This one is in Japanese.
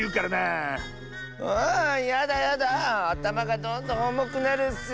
あたまがどんどんおもくなるッス！